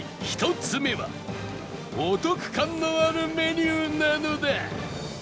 １つ目はお得感のあるメニューなのだ